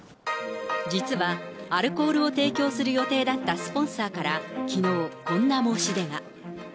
実は、アルコールを提供する予定だったスポンサーからきのう、こんな申し出が。